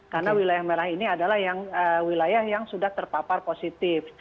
karena wilayah merah ini adalah wilayah yang sudah terpapar positif